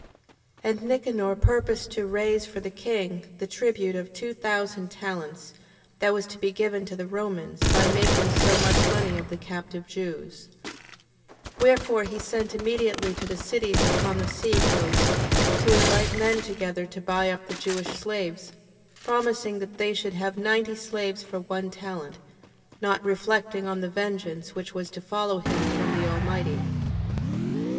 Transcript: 8:10. And Nicanor purposed to raise for the king the tribute of two thousand talents, that was to be given to the Romans, by making so much money of the captive Jews: 8:11. Wherefore he sent immediately to the cities upon the sea coast, to invite men together to buy up the Jewish slaves, promising that they should have ninety slaves for one talent, not reflecting on the vengeance which was to follow him from the Almighty.